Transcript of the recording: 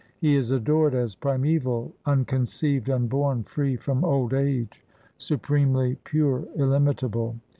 He is adored as primaeval, unconceived, unborn, free from old age, supremely pure, illimitable.